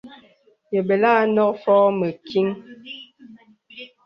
Yə bɛlə à nɔ̄k fɔŋ mə kìŋ.